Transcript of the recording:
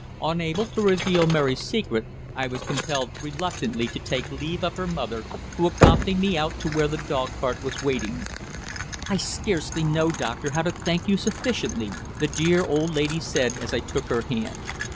Unable to reveal Mary's secret, I was compelled reluctantly to take leave of her mother, who accompanied me out to where the dog cart was in waiting. "I scarcely know, doctor, how to thank you sufficiently," the dear old lady said as I took her hand.